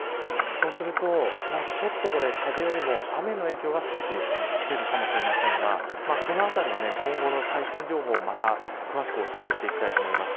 そうすると風よりも雨の影響が少し出るかもしれませんがこのあたりは今後の最新情報をまた詳しくお伝えしていきます。